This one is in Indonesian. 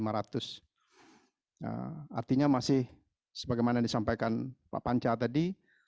artinya masih sebagaimana disampaikan pak panca tadi